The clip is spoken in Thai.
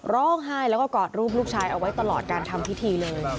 ร้องไห้แล้วก็กอดรูปลูกชายเอาไว้ตลอดการทำพิธีเลย